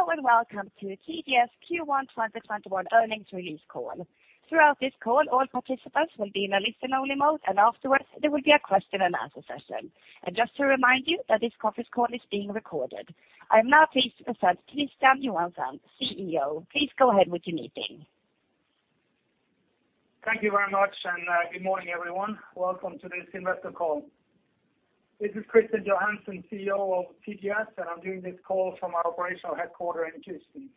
Hello, and welcome to TGS Q1 2021 earnings release call. Throughout this call, all participants will be in a listen-only mode, and afterwards there will be a question and answer session. Just to remind you that this conference call is being recorded. I will now please present Kristian Johansen, CEO. Please go ahead with your meeting. Thank you very much, and good morning, everyone. Welcome to this investor call. This is Kristian Johansen, CEO of TGS, and I'm doing this call from our operational headquarter in Houston.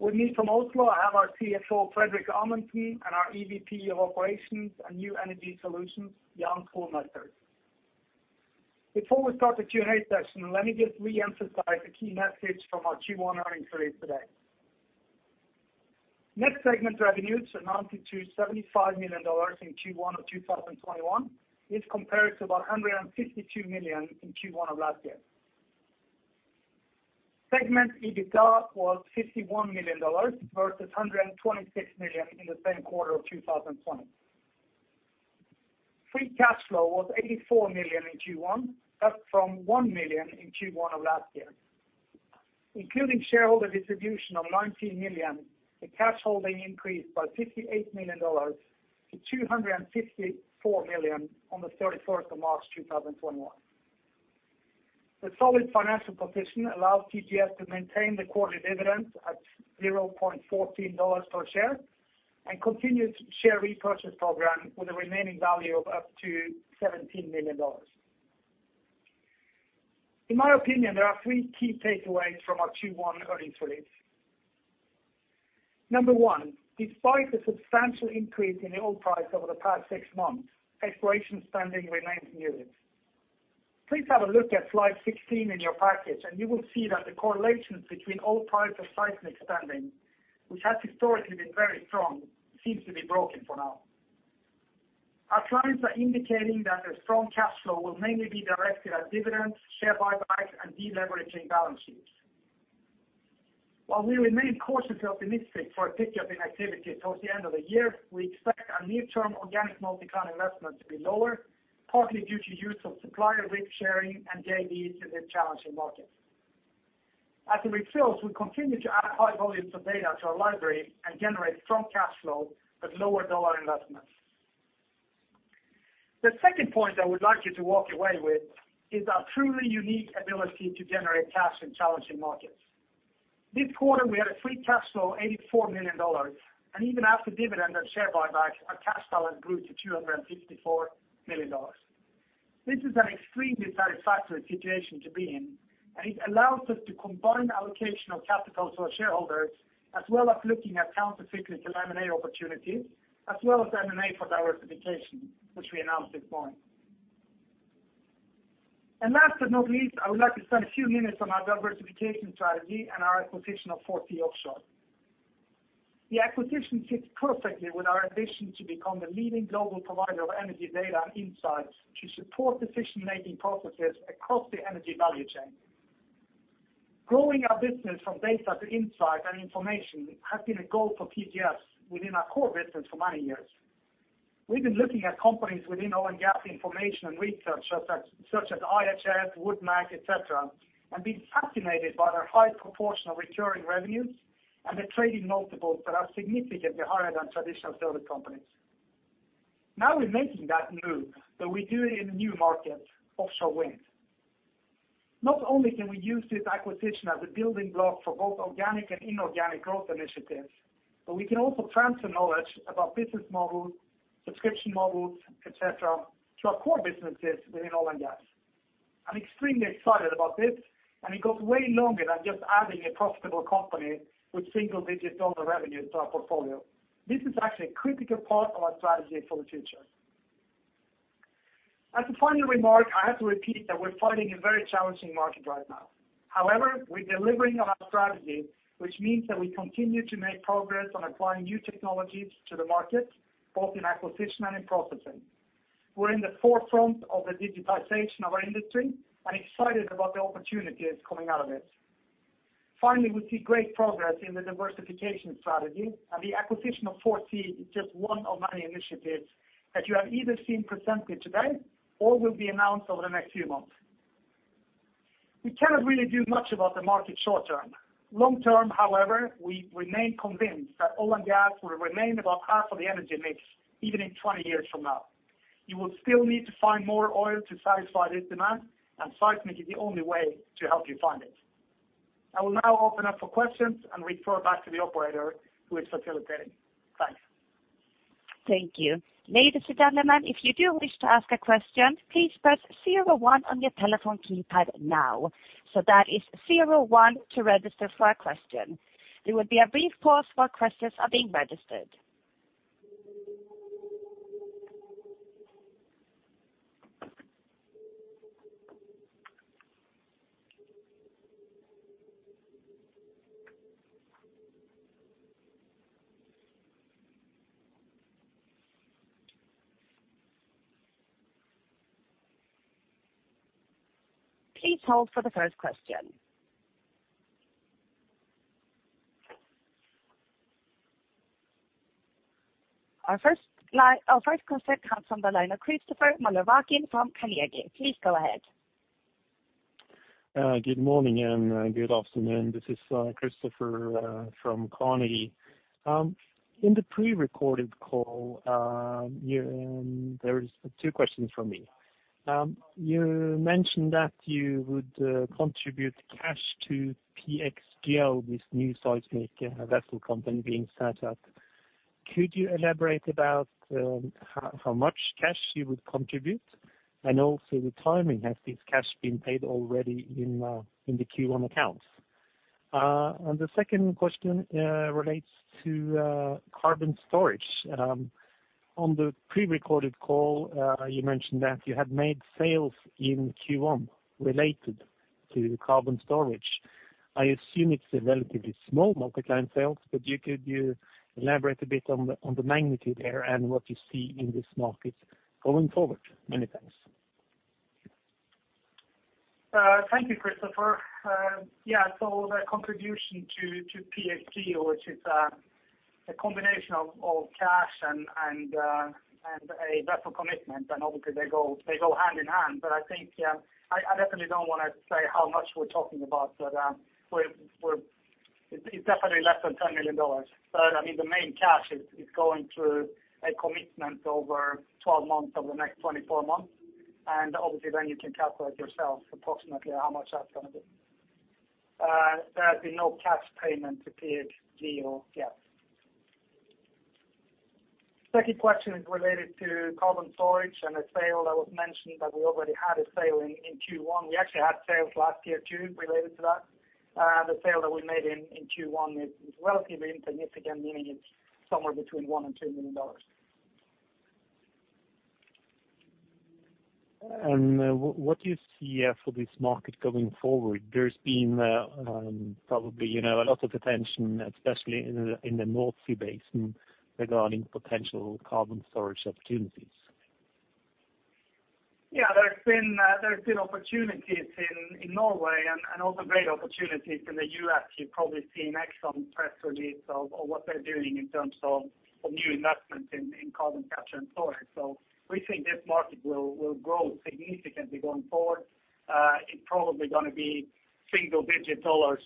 With me from Oslo, I have our CFO, Fredrik Amundsen, and our EVP of Operations and New Energy Solutions, Jan Schoolmeesters. Before we start the Q&A session, let me just reemphasize the key message from our Q1 earnings release today. Net segment revenues amounted to $75 million in Q1 of 2021, this compares to about $152 million in Q1 of last year. Segment EBITDA was $51 million versus $126 million in the same quarter of 2020. Free cash flow was $84 million in Q1, up from $1 million in Q1 of last year. Including shareholder distribution of $19 million, the cash holding increased by $58 million-$254 million on the 31st of March 2021. The solid financial position allows TGS to maintain the quarterly dividend at $0.14 per share and continue share repurchase program with a remaining value of up to $17 million. In my opinion, there are three key takeaways from our Q1 earnings release. Number one, despite the substantial increase in the oil price over the past six months, exploration spending remains muted. Please have a look at slide 16 in your package and you will see that the correlations between oil price and seismic spending, which has historically been very strong, seems to be broken for now. Our clients are indicating that the strong cash flow will mainly be directed at dividends, share buybacks, and deleveraging balance sheets. While we remain cautiously optimistic for a pickup in activity towards the end of the year, we expect our near-term organic multi-client investment to be lower, partly due to use of supplier risk sharing and JVs in these challenging markets. As it refills, we continue to add high volumes of data to our library and generate strong cash flow with lower dollar investments. The second point I would like you to walk away with is our truly unique ability to generate cash in challenging markets. This quarter, we had a free cash flow of $84 million, and even after dividend and share buyback, our cash balance grew to $254 million. This is an extremely satisfactory situation to be in, and it allows us to combine allocation of capital to our shareholders, as well as looking at counter-cyclical M&A opportunities, as well as M&A for diversification, which we announced this morning. Last but not least, I would like to spend a few minutes on our diversification strategy and our acquisition of 4C Offshore. The acquisition fits perfectly with our ambition to become the leading global provider of energy data and insights to support decision-making processes across the energy value chain. Growing our business from data to insight and information has been a goal for TGS within our core business for many years. We've been looking at companies within oil and gas information and research, such as IHS, WoodMac, et cetera, and been fascinated by their high proportion of recurring revenues and the trading multiples that are significantly higher than traditional service companies. Now we're making that move, we do it in a new market, offshore wind. Not only can we use this acquisition as a building block for both organic and inorganic growth initiatives, but we can also transfer knowledge about business models, subscription models, et cetera, to our core businesses within oil and gas. I'm extremely excited about this, and it goes way longer than just adding a profitable company with single-digit dollar revenues to our portfolio. This is actually a critical part of our strategy for the future. As a final remark, I have to repeat that we're fighting a very challenging market right now. However, we're delivering on our strategy, which means that we continue to make progress on applying new technologies to the market, both in acquisition and in processing. We're in the forefront of the digitization of our industry and excited about the opportunities coming out of it. We see great progress in the diversification strategy, and the acquisition of 4C is just one of many initiatives that you have either seen presented today or will be announced over the next few months. We cannot really do much about the market short term. Long term, however, we remain convinced that oil and gas will remain about half of the energy mix, even in 20 years from now. You will still need to find more oil to satisfy this demand, and seismic is the only way to help you find it. I will now open up for questions and refer back to the operator who is facilitating. Thanks. Thank you. Ladies and gentlemen, if you do wish to ask a question, please press zero one on your telephone keypad now. That is zero one to register for a question. There will be a brief pause while questions are being registered. Please hold for the first question. Our first question comes from the line of Kristoffer Møller Varkey from Carnegie. Please go ahead. Good morning and good afternoon. This is Kristoffer from Carnegie. In the prerecorded call, there is two questions from me. You mentioned that you would contribute cash to PXGEO, this new seismic vessel company being set up. Could you elaborate about how much cash you would contribute, and also the timing? Has this cash been paid already in the Q1 accounts? The second question relates to carbon storage. On the prerecorded call, you mentioned that you had made sales in Q1 related to carbon storage. I assume it's a relatively small market line sales, but could you elaborate a bit on the magnitude there and what you see in this market going forward? Many thanks. Thank you, Kristoffer. Yeah. The contribution to PXGEO, which is a combination of cash and a vessel commitment, and obviously they go hand in hand, but I think I definitely don't want to say how much we're talking about. It's definitely less than $10 million. The main cash is going through a commitment over 12 months over the next 24 months, and obviously then you can calculate yourself approximately how much that's going to be. There has been no cash payment to PXGEO yet. Second question is related to carbon storage and a sale that was mentioned that we already had a sale in Q1. We actually had sales last year, too, related to that. The sale that we made in Q1 is relatively insignificant, meaning it's somewhere between $1 million and $2 million. What do you see for this market going forward? There's been probably a lot of attention, especially in the North Sea basin, regarding potential carbon storage opportunities. Yeah. There's been opportunities in Norway and also great opportunities in the U.S. You've probably seen Exxon press release of what they're doing in terms of new investments in carbon capture and storage. We think this market will grow significantly going forward. It's probably going to be single-digit dollars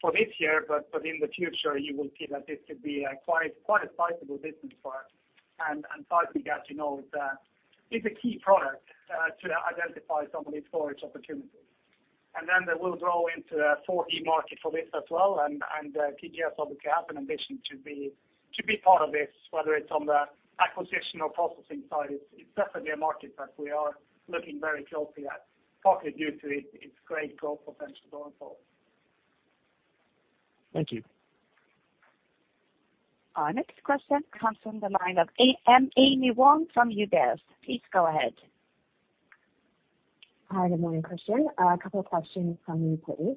for this year, but in the future, you will see that this could be quite a sizable business for us. [Seismic], as you know, is a key product to identify some of these storage opportunities. We'll grow into the 4D market for this as well, and TGS obviously have an ambition to be part of this, whether it's on the acquisition or processing side. It's definitely a market that we are looking very closely at, partly due to its great growth potential going forward. Thank you. Our next question comes from the line of Amy Wong from UBS. Please go ahead. Hi. Good morning, Kristian. A couple of questions from me, please.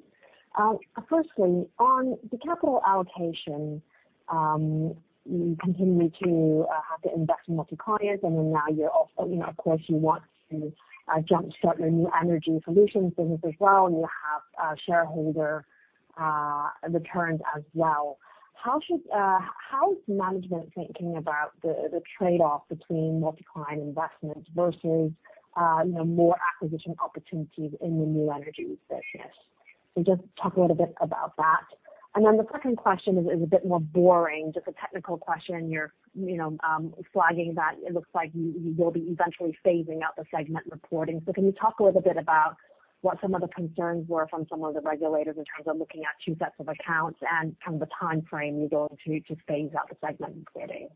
Firstly, on the capital allocation, you continue to have to invest in multi-client. Now, of course, you want to jumpstart your New Energy Solutions business as well, and you have shareholder returns as well. How is management thinking about the trade-off between multi-client investments versus more acquisition opportunities in the New Energy business? Just talk a little bit about that. The second question is a bit more boring, just a technical question. You're flagging that it looks like you will be eventually phasing out the segment reporting. Can you talk a little bit about what some of the concerns were from some of the regulators in terms of looking at two sets of accounts and kind of the timeframe you're going to phase out the segment reporting?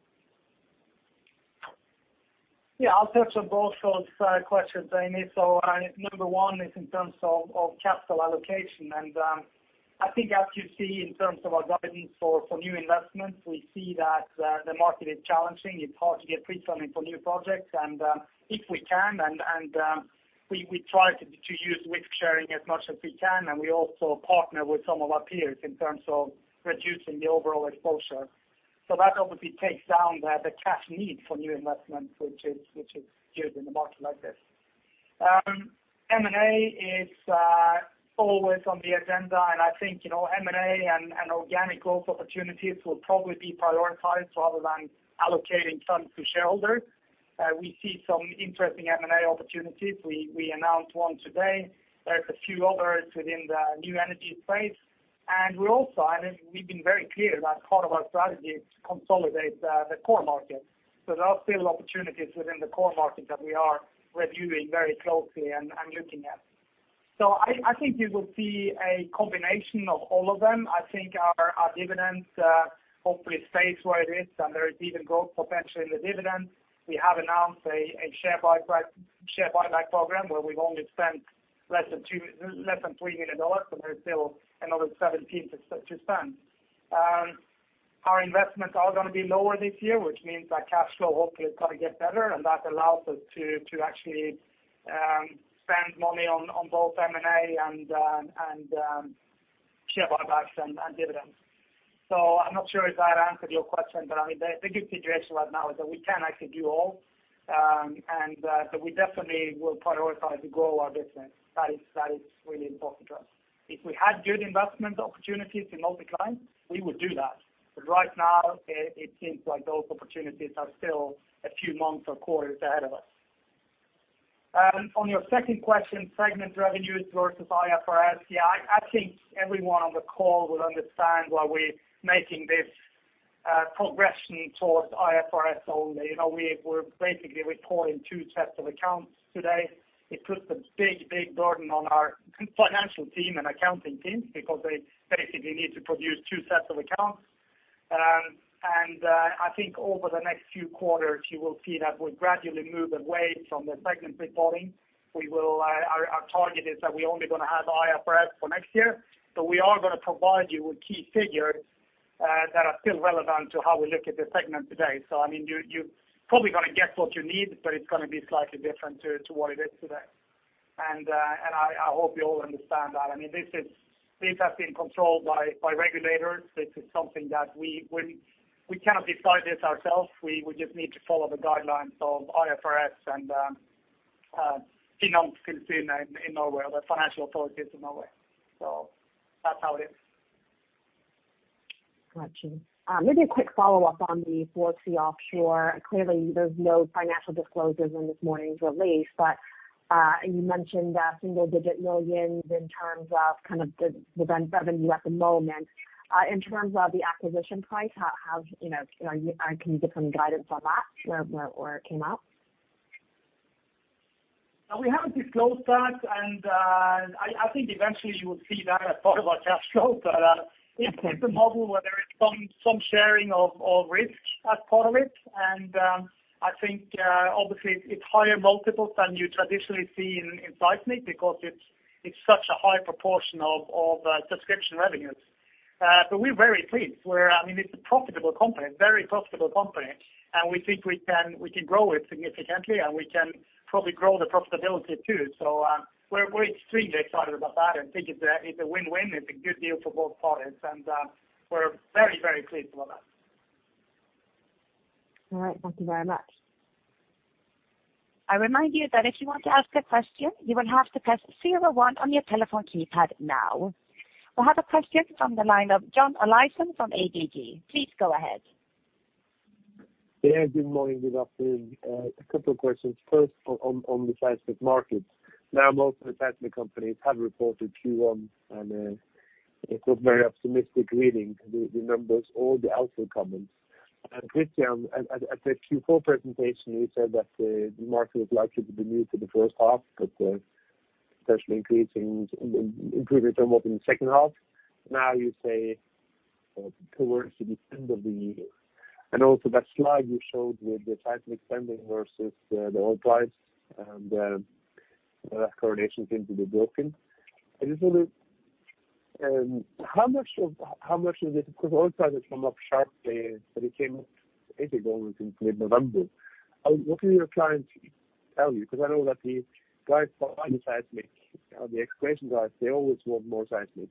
I'll touch on both those questions, Amy. Number one is in terms of capital allocation, and I think as you see in terms of our guidance for new investments, we see that the market is challenging. It's hard to get pre-funding for new projects. If we can, and we try to use risk-sharing as much as we can, and we also partner with some of our peers in terms of reducing the overall exposure. That obviously takes down the cash need for new investments, which is good in a market like this. M&A is always on the agenda, and I think M&A and organic growth opportunities will probably be prioritized rather than allocating funds to shareholders. We see some interesting M&A opportunities. We announced one today. There's a few others within the new energy space. We also, I think we've been very clear that part of our strategy is to consolidate the core market. There are still opportunities within the core market that we are reviewing very closely and looking at. I think you will see a combination of all of them. I think our dividends hopefully stays where it is, and there is even growth potentially in the dividends. We have announced a share buyback program where we've only spent less than $3 million, and there's still another $17 million to spend. Our investments are going to be lower this year, which means that cash flow hopefully is going to get better, and that allows us to actually spend money on both M&A and share buybacks and dividends. I'm not sure if that answered your question, but the good situation right now is that we can actually do all. We definitely will prioritize to grow our business. That is really important to us. If we had good investment opportunities in multi-client, we would do that. Right now, it seems like those opportunities are still a few months or quarters ahead of us. On your second question, segment revenues versus IFRS, I think everyone on the call will understand why we're making this progression towards IFRS only. We're basically reporting two sets of accounts today. It puts a big burden on our financial team and accounting team because they basically need to produce two sets of accounts. I think over the next few quarters, you will see that we gradually move away from the segment reporting. Our target is that we're only going to have IFRS for next year, but we are going to provide you with key figures that are still relevant to how we look at the segment today. You're probably going to get what you need, but it's going to be slightly different to what it is today. I hope you all understand that. This has been controlled by regulators. This is something that we cannot decide this ourselves. We just need to follow the guidelines of IFRS and Finanstilsynet in Norway, the financial authorities in Norway. That's how it is. Got you. Maybe a quick follow-up on the 4C Offshore. Clearly, there's no financial disclosures in this morning's release, but you mentioned single-digit millions in terms of the revenue at the moment. In terms of the acquisition price, can you give some guidance on that, where it came out? We haven't disclosed that, and I think eventually you will see that as part of our cash flow. It's a model where there is some sharing of risk as part of it, and I think obviously it's higher multiples than you traditionally see in seismic because it's such a high proportion of subscription revenues. We're very pleased. It's a profitable company, very profitable company, and we think we can grow it significantly, and we can probably grow the profitability, too. We're extremely excited about that and think it's a win-win. It's a good deal for both parties, and we're very pleased about that. All right. Thank you very much. I remind you that if you want to ask a question, you will have to press zero one on your telephone keypad now. We have a question from the line of John Olaisen from ABG Sundal Collier. Please go ahead. Yeah. Good morning, good afternoon. A couple of questions. First, on the seismic markets. Most of the seismic companies have reported Q1, and it was very optimistic reading the numbers or the outlook comments. Kristian, at the Q4 presentation, you said that the market was likely to be muted the first half, but especially improving toward in the second half. You say towards the end of the year. Also that slide you showed with the seismic spending versus the oil price, and that correlation seems to be broken. I just wonder how much of this, because oil prices come up sharply, but it came basically only since late November. What do your clients tell you? I know that the clients behind the seismic or the exploration guys, they always want more seismic,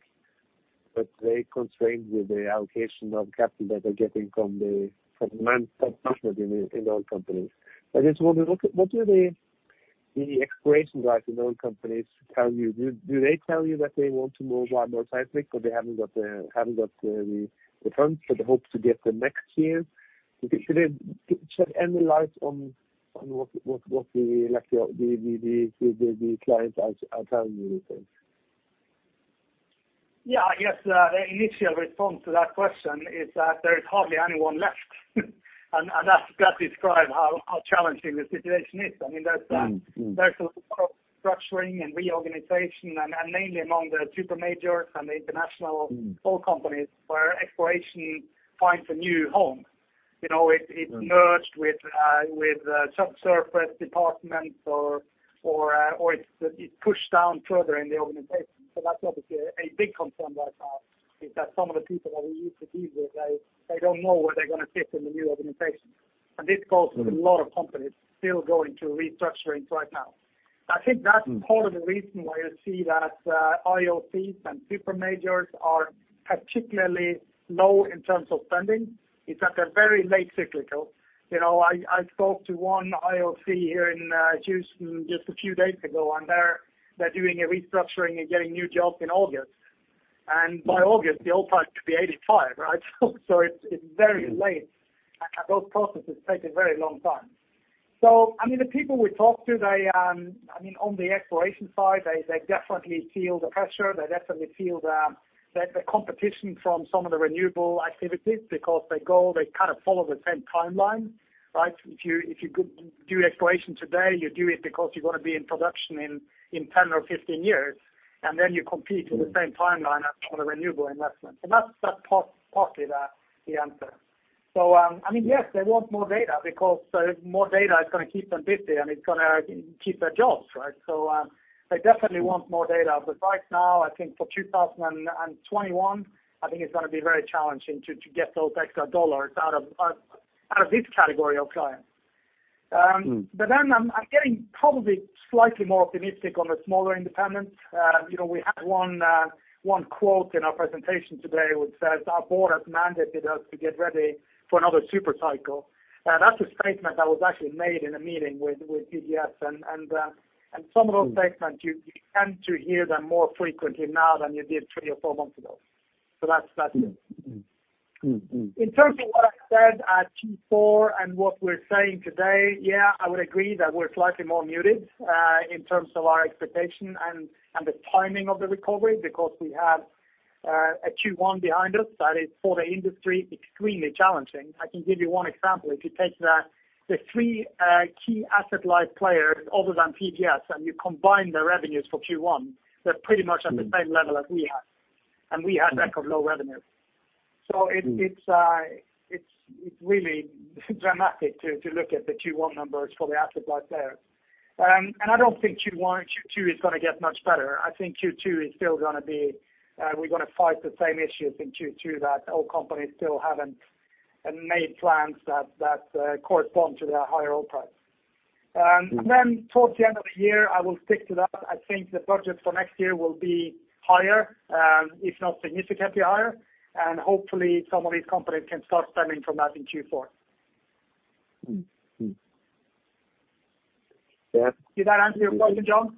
but they're constrained with the allocation of capital that they're getting from management in the oil companies. I just wonder, what do the exploration guys in oil companies tell you? Do they tell you that they want to move on more seismic, but they haven't got the funds, but they hope to get them next year? Could you shed any light on what the clients are telling you these days? Yeah. I guess the initial response to that question is that there is hardly anyone left. That describes how challenging the situation is. There's a lot of restructuring and reorganization, and mainly among the super majors and the international oil companies, where exploration finds a new home. It merged with subsurface departments or it's pushed down further in the organization. That's obviously a big concern right now, is that some of the people that we used to deal with, they don't know where they're going to fit in the new organization. This goes for a lot of companies still going through restructurings right now. I think that's part of the reason why you see that IOCs and super majors are particularly low in terms of spending, is that they're very late cyclical. I spoke to one IOC here in Houston just a few days ago, and they're doing a restructuring and getting new jobs in August. By August, the oil price could be 85, right? It's very late, and those processes take a very long time. The people we talk to, on the exploration side, they definitely feel the pressure. They definitely feel the competition from some of the renewable activities because they go, they kind of follow the same timeline, right? If you do exploration today, you do it because you want to be in production in 10 or 15 years, and then you compete in the same timeline as all the renewable investments. That's partly the answer. Yes, they want more data because more data is going to keep them busy, and it's going to keep their jobs, right? They definitely want more data. Right now, I think for 2021, I think it's going to be very challenging to get those extra dollars out of this category of clients. I'm getting probably slightly more optimistic on the smaller independents. We had one quote in our presentation today which says, "Our board has mandated us to get ready for another super cycle." That's a statement that was actually made in a meeting with TGS, and some of those statements, you tend to hear them more frequently now than you did three or four months ago. That's it. In terms of what I said at Q4 and what we're saying today, yeah, I would agree that we're slightly more muted, in terms of our expectation and the timing of the recovery, because we have a Q1 behind us that is, for the industry, extremely challenging. I can give you one example. If you take the three key asset-light players other than TGS, and you combine their revenues for Q1, they're pretty much at the same level as we are. We had record low revenue. It's really dramatic to look at the Q1 numbers for the asset-light players. I don't think Q1 and Q2 is going to get much better. I think Q2 is still going to be, we're going to fight the same issues in Q2 that oil companies still haven't made plans that correspond to the higher oil price. Towards the end of the year, I will stick to that. I think the budget for next year will be higher, if not significantly higher, and hopefully some of these companies can start spending from that in Q4. Mm-hmm. Yeah. Did that answer your question, John?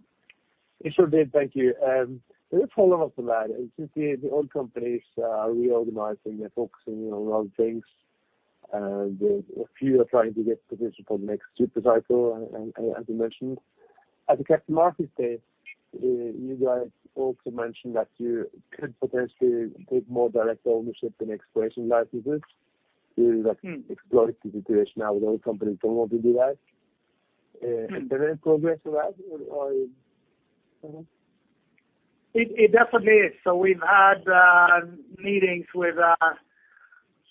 It sure did, thank you. Let me follow up on that. Since the oil companies are reorganizing, they're focusing on other things, and a few are trying to get positions for the next super cycle, as you mentioned. At the Capital Markets Day, you guys also mentioned that you could potentially take more direct ownership in exploration licenses during the exploratory situation now that oil companies don't want to do that. Is there any progress with that, or no? It definitely is. We've had meetings with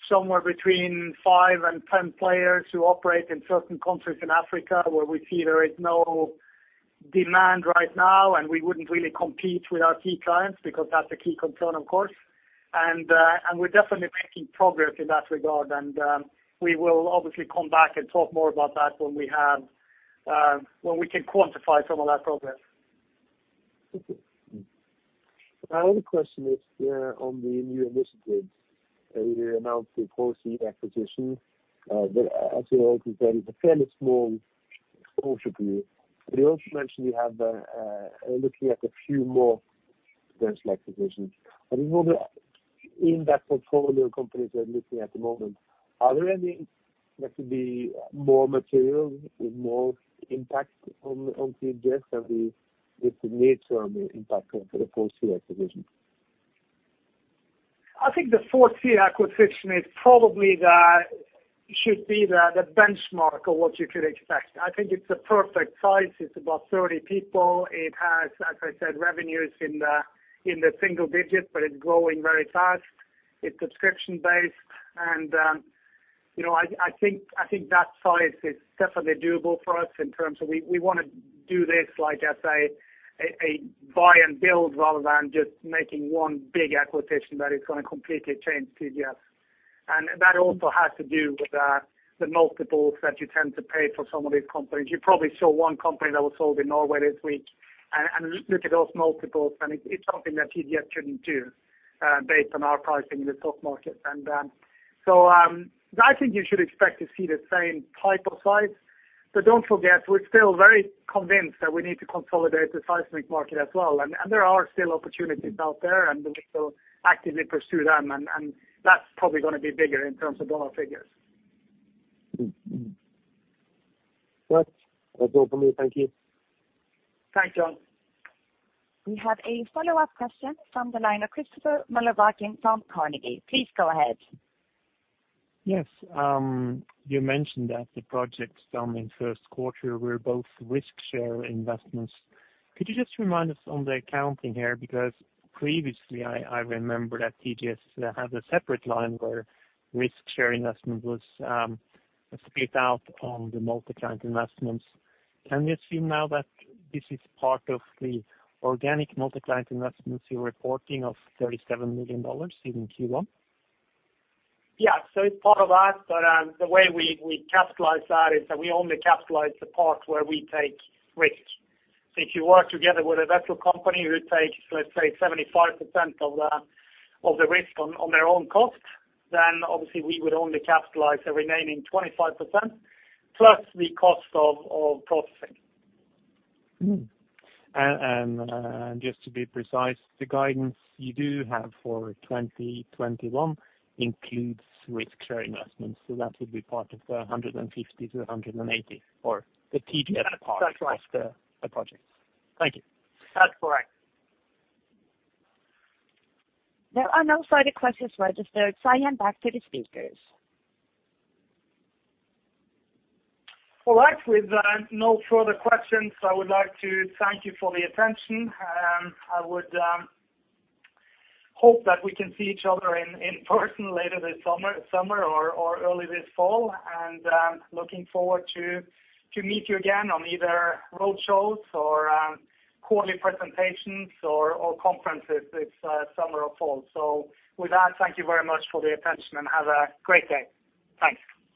somewhere between five and 10 players who operate in certain countries in Africa, where we see there is no demand right now, and we wouldn't really compete with our key clients, because that's a key concern, of course. We're definitely making progress in that regard. We will obviously come back and talk more about that when we can quantify some of that progress. Okay. My only question is on the new initiatives. You announced the 4C acquisition. As you know, it's a fairly small exposure to you. You also mentioned you are looking at a few more potential acquisitions. I was wondering, in that portfolio of companies you are looking at the moment, are there any that could be more material, with more impact on TGS than the magnitude and impact of the 4C acquisition? I think the 4C Offshore acquisition is probably should be the benchmark of what you could expect. I think it's a perfect size. It's about 30 people. It has, as I said, revenues in the single digits, but it's growing very fast. It's subscription based. I think that size is definitely doable for us in terms of we want to do this, like I say, a buy and build rather than just making one big acquisition that is going to completely change TGS. That also has to do with the multiples that you tend to pay for some of these companies. You probably saw one company that was sold in Norway this week, and look at those multiples, and it's something that TGS couldn't do based on our pricing in the stock market. I think you should expect to see the same type of size. Don't forget, we're still very convinced that we need to consolidate the seismic market as well, and there are still opportunities out there, and we will actively pursue them, and that's probably going to be bigger in terms of dollar figures. Right. That's all from me. Thank you. Thanks, John. We have a follow-up question from the line of Kristoffer Møller Varkey from Carnegie. Please go ahead. Yes. You mentioned that the projects done in first quarter were both risk share investments. Could you just remind us on the accounting here? Previously, I remember that TGS had a separate line where risk share investment was split out on the multi-client investments. Can we assume now that this is part of the organic multi-client investments you're reporting of $37 million in Q1? It's part of that, but the way we capitalize that is that we only capitalize the part where we take risk. If you work together with a vessel company who takes, let's say, 75% of the risk on their own cost, then obviously we would only capitalize the remaining 25%, plus the cost of processing. Just to be precise, the guidance you do have for 2021 includes risk share investments, that would be part of the $150-$180. That's right. of the projects. Thank you. That's correct. There are no further questions registered. I hand back to the speakers. Well, right. With no further questions, I would like to thank you for the attention. I would hope that we can see each other in person later this summer or early this fall, and I'm looking forward to meet you again on either road shows or quarterly presentations or conferences this summer or fall. With that, thank you very much for the attention, and have a great day. Thanks.